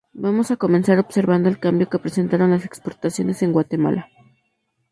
Vamos a comenzar observando el cambio que presentaron las exportaciones en Guatemala.